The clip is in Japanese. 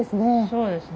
そうですね。